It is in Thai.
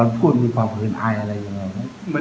ตอนพูดมีความพื้นอายอะไรยังไง